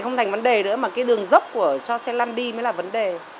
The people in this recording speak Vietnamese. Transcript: không thành vấn đề nữa mà cái đường dốc cho xe lăn đi mới là vấn đề